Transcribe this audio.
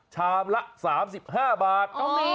ชามละ๓๕บาท